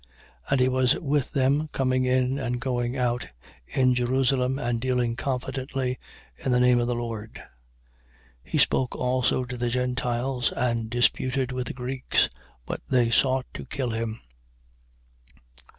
9:28. And he was with them, coming in and going out in Jerusalem and dealing confidently in the name of the Lord. 9:29. He spoke also to the Gentiles and disputed with the Greeks. But they sought to kill him.